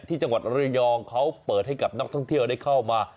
ที่จังหวัดระยองเขาเปิดให้กับนักท่องเที่ยวได้เข้ามา